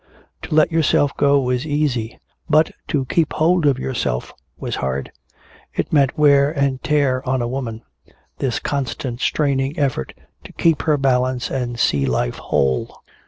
To let yourself go was easy, but to keep hold of yourself was hard. It meant wear and tear on a woman, this constant straining effort to keep her balance and see life whole.